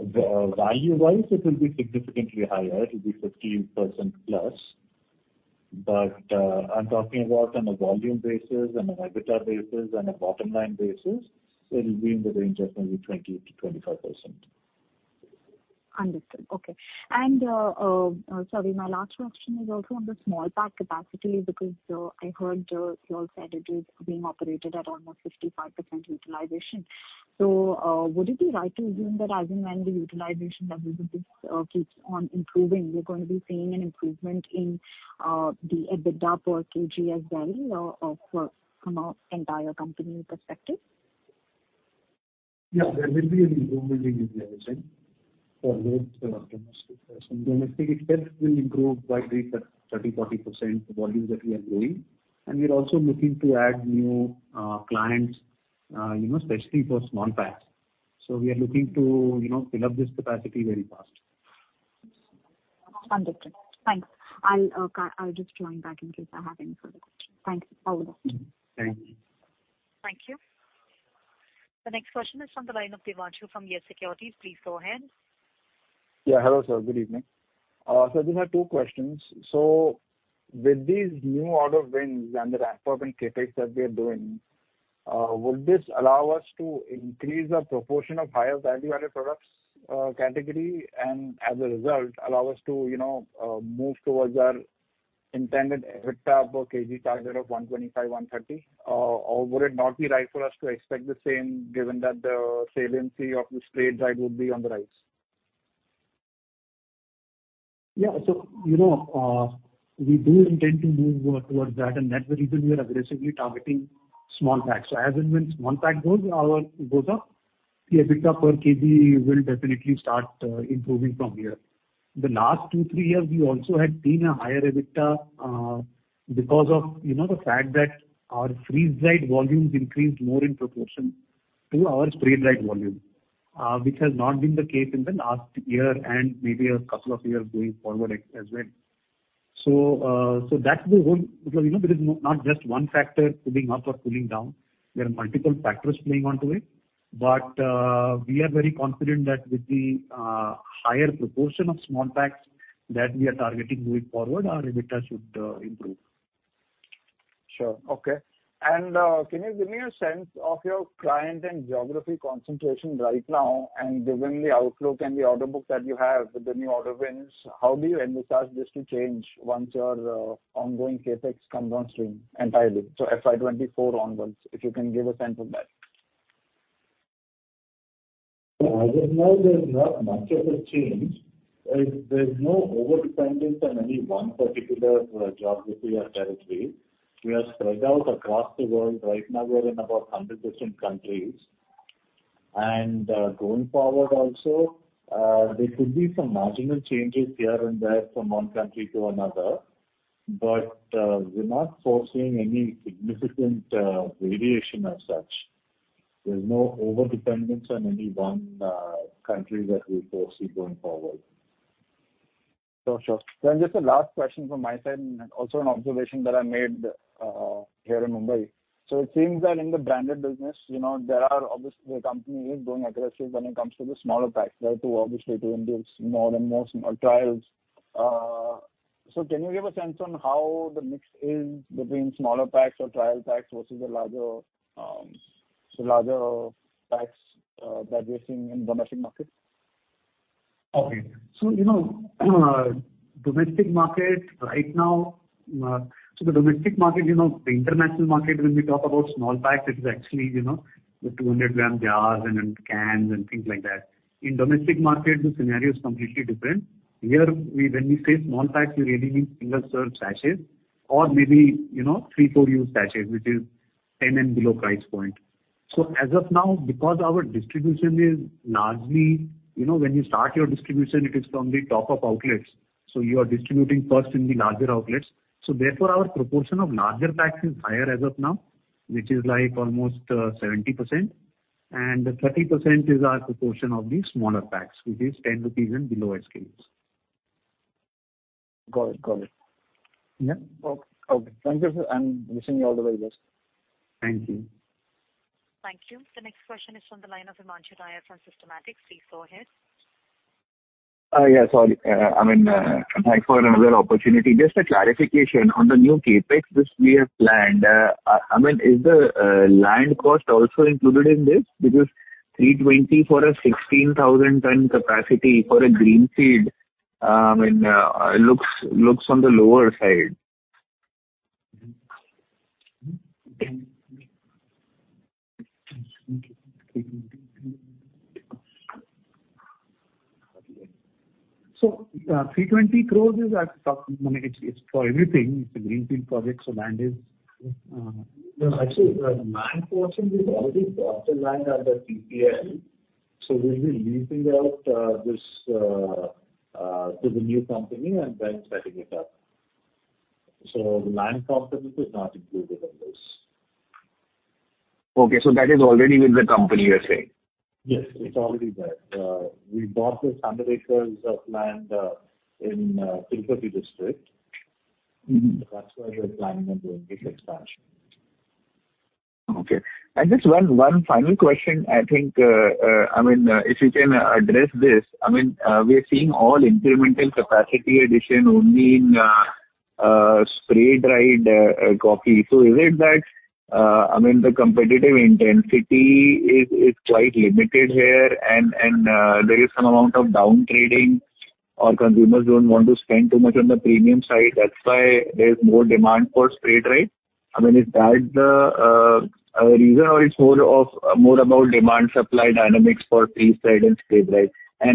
Value-wise, it will be significantly higher. It will be 15% plus. I'm talking about on a volume basis, on an EBITDA basis, on a bottom line basis. It'll be in the range of maybe 20%-25%. Understood. Okay. Sorry, my last question is also on the small pack capacity, because, I heard, you all said it is being operated at almost 55% utilization. Would it be right to assume that as and when the utilization level of this, keeps on improving, we're going to be seeing an improvement in, the EBITDA per kg as well, you know, of, from our entire company perspective? Yeah, there will be an improvement in utilization for both the domestic. Domestically itself will improve by 30%-40% the volume that we are growing. We are also looking to add new clients, you know, especially for small packs. We are looking to, you know, fill up this capacity very fast. Understood. Thanks. I'll just join back in case I have any further questions. Thanks. Over. Thank you. Thank you. The next question is from the line of Himanshu from YES Securities. Please go ahead. Yeah, hello, sir. Good evening. These are two questions. With these new order wins and the ramp-up in CapEx that we are doing, would this allow us to increase the proportion of higher value-added products category, and as a result, allow us to, you know, move towards our intended EBITDA per kg target of 125-130? Would it not be right for us to expect the same given that the saliency of the spray-dried would be on the rise? Yeah. You know, we do intend to move towards that, and that will even be aggressively targeting small packs. As and when small pack goes up, the EBITDA per kg will definitely start improving from here. The last two, three years, we also had seen a higher EBITDA because of, you know, the fact that our freeze-dried volumes increased more in proportion to our spray-dried volume, which has not been the case in the last year and maybe a couple of years going forward as well. Because, you know, there is not just one factor pulling up or pulling down. There are multiple factors playing into it. We are very confident that with the higher proportion of small packs that we are targeting going forward, our EBITDA should improve. Sure. Okay. Can you give me a sense of your client and geography concentration right now, and given the outlook and the order book that you have with the new order wins, how do you envisage this to change once your ongoing CapEx comes on stream entirely, so FY 2024 onwards, if you can give a sense of that? As of now, there's not much of a change. There's no overdependence on any one particular geography or territory. We are spread out across the world. Right now we are in about 100 different countries. Going forward also, there could be some marginal changes here and there from one country to another. We're not foreseeing any significant variation as such. There's no overdependence on any one country that we foresee going forward. Sure, sure. Just a last question from my side and also an observation that I made here in Mumbai. It seems that in the branded business, you know, there are obviously the company is going aggressive when it comes to the smaller packs, right? To obviously induce more and more trials. Can you give a sense on how the mix is between smaller packs or trial packs versus the larger packs that we're seeing in domestic markets? Okay. You know, domestic market right now. The domestic market, you know, the international market, when we talk about small packs, it is actually, you know, the 200-g jars and cans and things like that. In domestic market, the scenario is completely different. Here when we say small packs, we really mean single-serve sachets or maybe, you know, three, four-use sachets, which is 10 and below price point. As of now, because our distribution is largely, you know, when you start your distribution, it is from the top of outlets, so you are distributing first in the larger outlets. Therefore, our proportion of larger packs is higher as of now, which is like almost 70% and 30% is our proportion of the smaller packs, which is 10 rupees and below SKUs. Got it. Got it. Yeah. Okay. Thank you, sir, and wish you all the very best. Thank you. Thank you. The next question is from the line of Himanshu Nayyar from Systematix. Please go ahead. Yeah, sorry. I mean, thanks for another opportunity. Just a clarification. On the new CapEx which we have planned, I mean, is the land cost also included in this? Because 320 for a 16,000-ton capacity for a greenfield looks on the lower side. 320 crores is at top. I mean, it's for everything. It's a greenfield project. No, actually, land portion, we've already bought the land under PPL. We'll be leasing out this to the new company and then setting it up. Land cost is not included in this. Okay. That is already with the company, you're saying? Yes, it's already there. We bought this 100 acres of land in Chittoor district. Mm-hmm. That's where we're planning on doing this expansion. Okay. Just one final question, I think, I mean, if you can address this. I mean, we are seeing all incremental capacity addition only in spray-dried coffee. So is it that, I mean, the competitive intensity is quite limited here and there is some amount of down trading or consumers don't want to spend too much on the premium side, that's why there's more demand for spray-dried? I mean, is that the reason or it's more about demand supply dynamics for freeze-dried and spray-dried?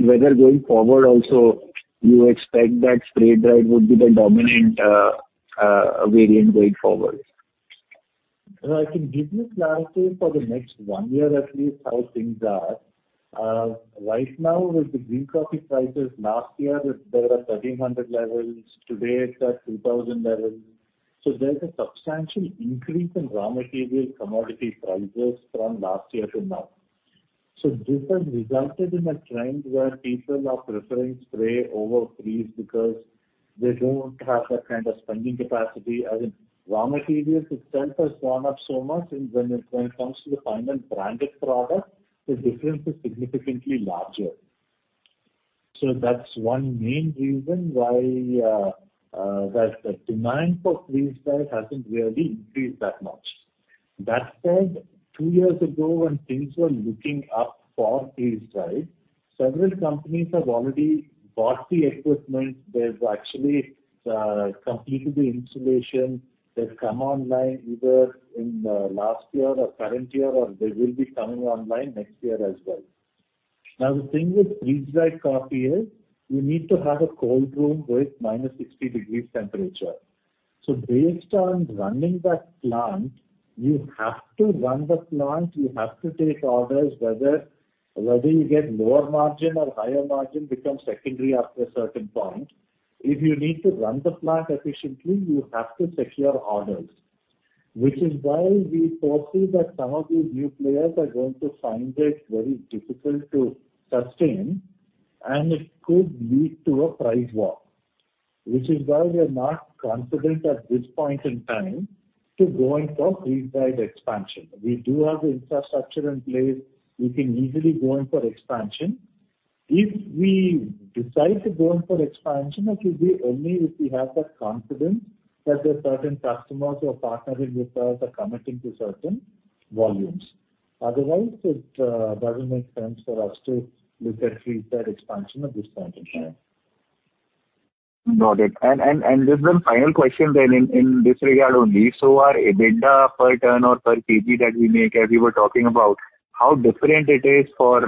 Whether going forward also you expect that spray-dried would be the dominant variant going forward? Well, I can give you clarity for the next one year at least how things are. Right now with the green coffee prices, last year it was around 1,300 levels. Today it's at 2,000 levels. There's a substantial increase in raw material commodity prices from last year to now. This has resulted in a trend where people are preferring spray over freeze because they don't have that kind of spending capacity. I mean, raw materials itself has gone up so much, and when it comes to the final branded product, the difference is significantly larger. That's one main reason why that the demand for freeze-dried hasn't really increased that much. That said, two years ago when things were looking up for freeze-dried, several companies have already bought the equipment. They've actually completed the installation. They've come online either in last year or current year, or they will be coming online next year as well. Now, the thing with freeze-dried coffee is you need to have a cold room with -60 degrees temperature. Based on running that plant, you have to run the plant, you have to take orders, whether you get lower margin or higher margin becomes secondary after a certain point. If you need to run the plant efficiently, you have to secure orders. Which is why we foresee that some of these new players are going to find it very difficult to sustain, and it could lead to a price war. Which is why we are not confident at this point in time to go in for freeze-dried expansion. We do have the infrastructure in place. We can easily go in for expansion. If we decide to go in for expansion, it will be only if we have that confidence that the certain customers who are partnering with us are committing to certain volumes. Otherwise, it doesn't make sense for us to look at freeze-dried expansion at this point in time. Got it. Just one final question then in this regard only. Our EBITDA per ton or per kg that we make, as you were talking about, how different it is for,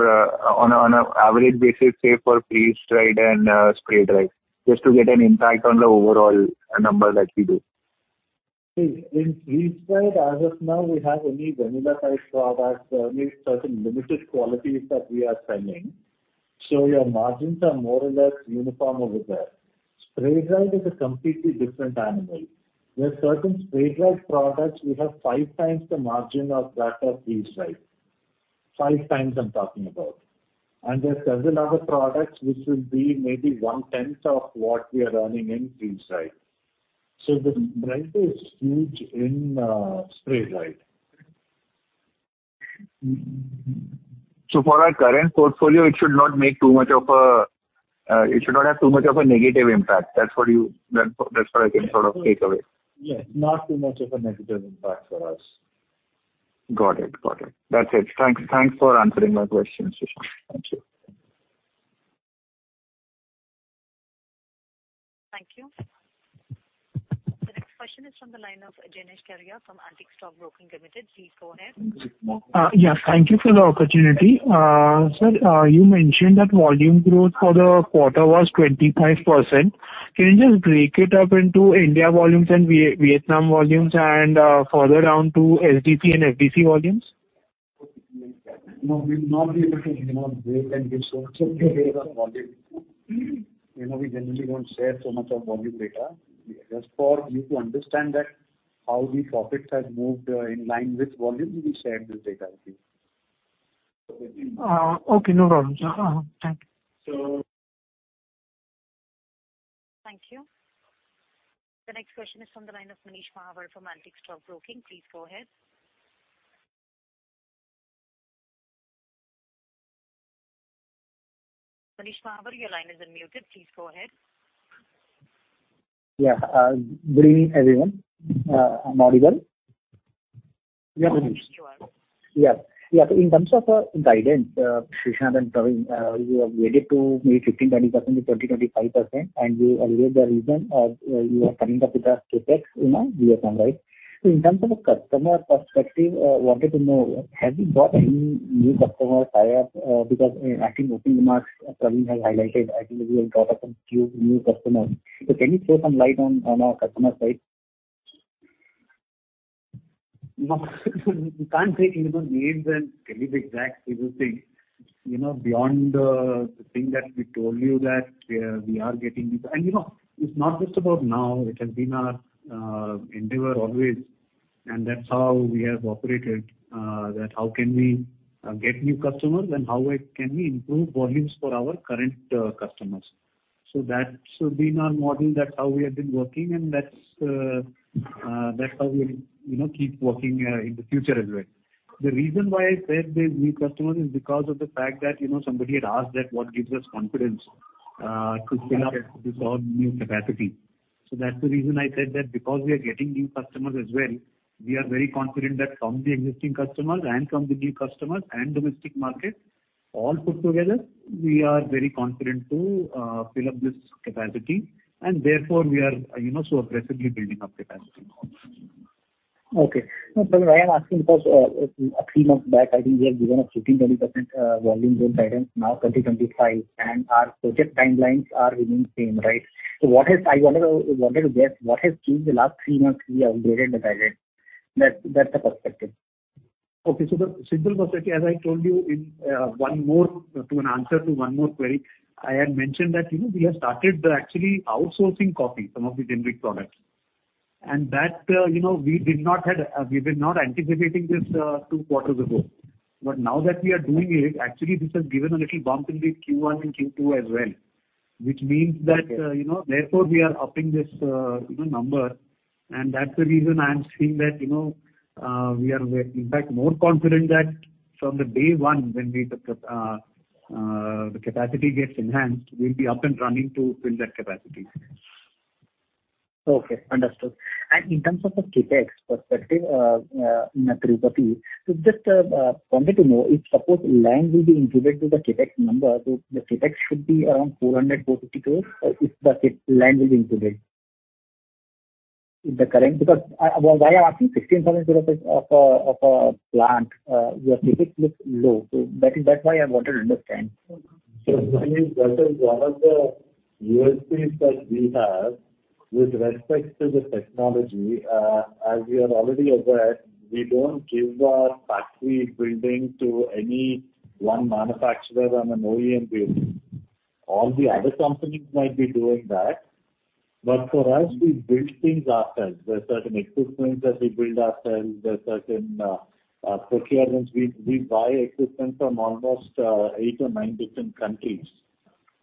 on an average basis, say, for freeze-dried and spray-dried, just to get an impact on the overall number that we do. In freeze-dried, as of now, we have only vanilla type products, means certain limited qualities that we are selling. Your margins are more or less uniform over there. Spray-dried is a completely different animal. With certain spray-dried products, we have 5x the margin of that of freeze-dried. 5x I'm talking about. There are several other products which will be maybe one tenth of what we are earning in freeze-dried. The range is huge in spray-dried. For our current portfolio, it should not have too much of a negative impact. That's what I can sort of take away. Yes. Not too much of a negative impact for us. Got it. That's it. Thanks for answering my questions, Challa Srishant. Thank you. Thank you. The next question is from the line of Jenish Karia from Antique Stock Broking Limited. Please go ahead. Yes, thank you for the opportunity. Sir, you mentioned that volume growth for the quarter was 25%. Can you just break it up into India volumes and Vietnam volumes and, further down to SD and FD volumes? No, we'll not be able to, you know, break and give you volume. You know, we generally don't share so much of volume data. Just for you to understand that how the profits have moved, in line with volume, we shared this data with you. Okay, no problem. Thank you. So. Thank you. The next question is from the line of Manish Mahawar from Antique Stock Broking. Please go ahead. Manish Mahawar, your line is unmuted. Please go ahead. Yeah. Good evening, everyone. I'm audible? Yes. Yeah. Yeah. In terms of guidance, Srishant and Praveen, you have guided to maybe 15%-20% to 20%-25%, and you elaborate the reason you are coming up with the CapEx in our view only. In terms of a customer perspective, wanted to know, have you got any new customers signed up? Because I think opening remarks, Praveen has highlighted, I think we have got some few new customers. Can you throw some light on our customer base? No, we can't say, you know, names and tell you the exact everything. You know, beyond the thing that we told you that we are getting. It's not just about now, it has been our endeavor always, and that's how we have operated that how can we get new customers and how it can we improve volumes for our current customers. That's been our model. That's how we have been working, and that's how we, you know, keep working in the future as well. The reason why I said the new customers is because of the fact that, you know, somebody had asked that what gives us confidence to fill up this all new capacity. That's the reason I said that because we are getting new customers as well, we are very confident that from the existing customers and from the new customers and domestic markets, all put together, we are very confident to fill up this capacity. Therefore we are, you know, so aggressively building up capacity. No, Praveen, I am asking because a few months back, I think we have given a 15%-20% volume growth guidance, now 20%-25%, and our project timelines are remaining same, right? I wanted to guess what has changed the last three months we have given the guidance. That's the perspective. Okay. The simple perspective, as I told you in answer to one more query, I had mentioned that, you know, we have started actually outsourcing coffee, some of the generic products. That, you know, we did not had, we were not anticipating this two quarters ago. Now that we are doing it, actually this has given a little bump in the Q1 and Q2 as well, which means that, you know, therefore we are upping this, you know, number. That's the reason I am seeing that, you know, in fact, more confident that from day one, when the capacity gets enhanced, we'll be up and running to fill that capacity. Okay. Understood. In terms of the CapEx perspective, in Tirupati, just wanted to know if suppose land will be included to the CapEx number, so the CapEx should be around 400-450 crores, if the land will be included. Why I'm asking 16,000 sq ft of a plant, your CapEx looks low. That is, that's why I want to understand. Manish, that is one of the USPs that we have with respect to the technology. As you are already aware, we don't give our factory building to any one manufacturer on an OEM basis. All the other companies might be doing that, but for us, we build things ourselves. There are certain equipment that we build ourselves. There are certain procurements. We buy equipment from almost 8 or 9 different countries.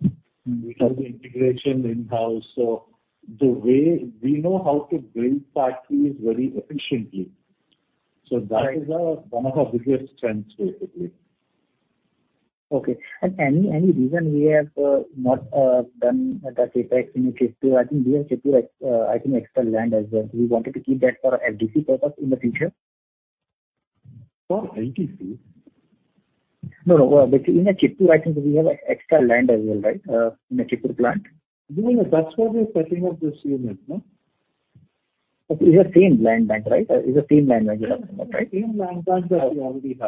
We have the integration in-house. The way we know how to build factories very efficiently. That is one of our biggest strengths basically. Okay. Any reason we have not done the CapEx in Chittoor? I think we have Chittoor extra land as well. We wanted to keep that for FD purpose in the future. For FD? No, no. Between the Chittoor, I think we have extra land as well, right? In the Chittoor plant. No, no. That's why we are setting up this unit, no? It's the same land bank, right? It's the same land bank you have, right? No, no. EOU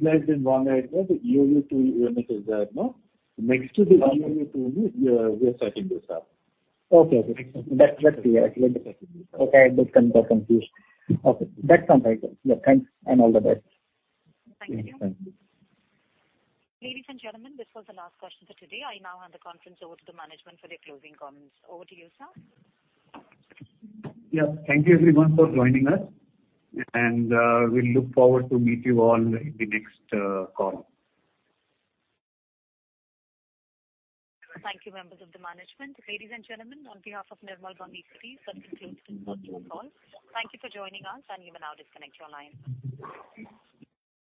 blessed in one area. The EOU-II unit is there, no? Next to the EOU-II unit, we are setting this up. Okay. That's clear. I'm glad to hear. Okay. That's fine. Thank you. Yeah. Thanks and all the best. Thank you. Thanks. Ladies and gentlemen, this was the last question for today. I now hand the conference over to the management for their closing comments. Over to you, sir. Yeah. Thank you everyone for joining us. We look forward to meet you all in the next call. Thank you, members of the management. Ladies and gentlemen, on behalf of Nirmal Bang Equities, that concludes this conference call. Thank you for joining us. You may now disconnect your line.